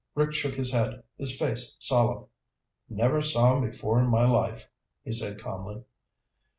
Rick shook his head, his face solemn. "Never saw him before in my life," he said calmly.